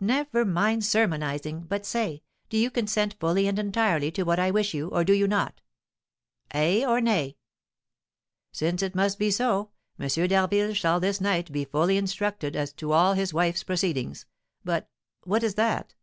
"Never mind sermonising, but say, do you consent fully and entirely to what I wish you, or do you not? Ay, or nay?" "Since it must be so, M. d'Harville shall this night be fully instructed as to all his wife's proceedings, but what is that?